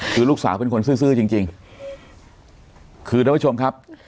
คือลูกสาวเป็นคนซื่อจริง